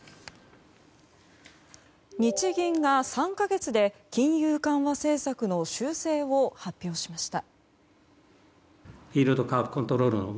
日銀が３か月で金融緩和政策の修正を発表しました。